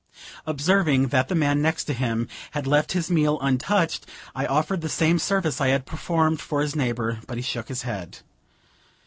Observing that the man next him had left his meal untouched, I offered the same service I had performed for his neighbor, but he shook his head.